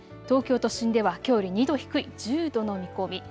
東京都心ではきょうより２度低い１０度の見込み。